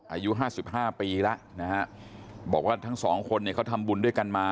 อายุ๕๕ปีแล้วนะครับบอกว่าทั้งสองคนเขาทำบุญด้วยกันมา